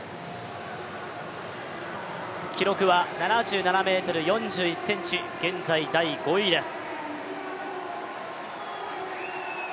記録は７７ｍ４１ｃｍ、現在第５位です。